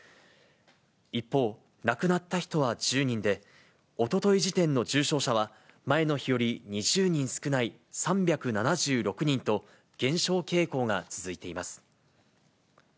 一方、亡くなった人は１０人で、おととい時点の重症者は前の日より２０人少ない３７６人と、減少傾向が続いています。